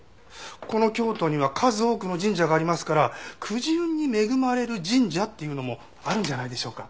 この京都には数多くの神社がありますからくじ運に恵まれる神社っていうのもあるんじゃないでしょうか。